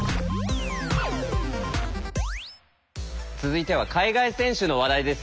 続いては海外選手の話題です。